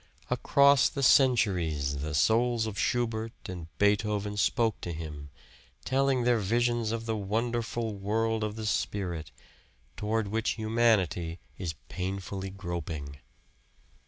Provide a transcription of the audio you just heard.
Across the centuries the souls of Schubert and Beethoven spoke to him, telling their visions of the wonderful world of the spirit, toward which humanity is painfully groping.